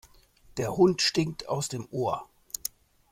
Der Hund stinkt aus dem Ohr.